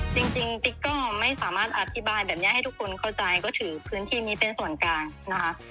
จริงติ๊กก็ไม่สามารถอธิบายแบบนี้ให้ทุกคนเข้าใจก็ถือพื้นที่นี้เป็นส่วนกลางนะคะ